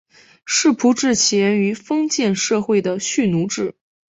世仆制起源于封建社会的蓄奴制。